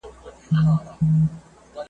په ټپوس کي د باز خویونه نه وي ,